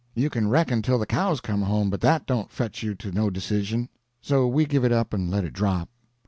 You can reckon till the cows come home, but that don't fetch you to no decision. So we give it up and let it drop.